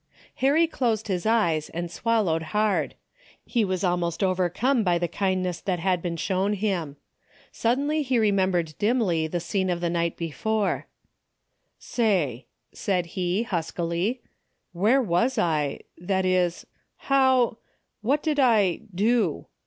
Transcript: Harry closed his eyes and swallowed hard. He was almost overcome by the kindness that had been shown him. Suddenly, he remembered dimly the scene of the night be fore. 200 '*A DAILY BATE. " Say," said he, huskily, " where was I, that is — how, what did I — do?